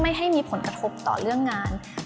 บางทีการเราเอาอารมณ์ของเราไปใส่ในเนื้อเรื่องมากเกินไป